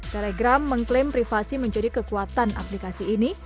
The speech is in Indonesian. telegram mengklaim privasi menjadi kekuatan aplikasi ini